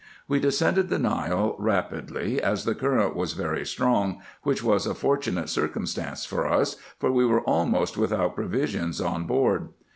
We descended the Kile rapidly, as the current was very strong, winch was a fortunate circumstance for us, for we were almost with out provisions on board.